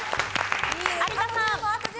有田さん。